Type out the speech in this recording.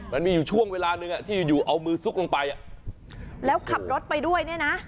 มันมีอยู่ช่วงเวลาหนึ่งที่อยู่เอามือซุกลงไปแล้วขับรถไปด้วยเนี่ยนะ